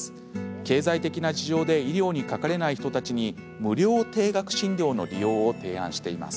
経済的な事情で医療にかかれない人たちに無料低額診療の利用を提案しています。